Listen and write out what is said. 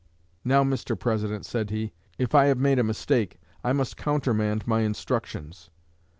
'Now, Mr. President,' said he, 'if I have made a mistake, I must countermand my instructions.'